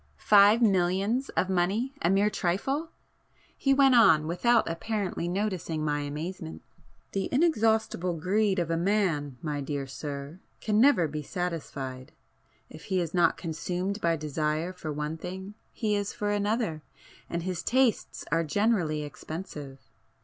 Five millions of money a mere trifle! He went on without apparently noticing my amazement— "The inexhaustible greed of a man, my dear sir, can never be satisfied. If he is not consumed by desire for one thing, he is for another, and his tastes are generally expensive.